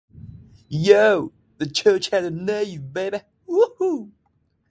The church has a nave and two aisles, with the presbytery.